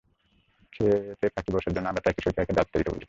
খেতে পাখি বসার জন্য আমরা তাই কৃষকদের একটি ডাল পঁুতে দিতে বলি।